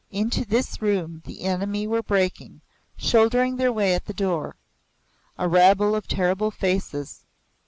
Into this room the enemy were breaking, shouldering their way at the door a rabble of terrible faces.